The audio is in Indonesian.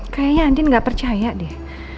kayaknya andin gak percaya deh